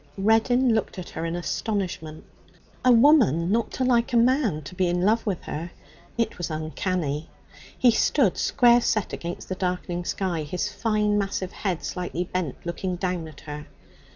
Reddin looked at her in astonishment. A woman not to like a man to be in love with her. It was uncanny. He stood square set against the darkening sky, his fine massive head slightly bent, looking down at her.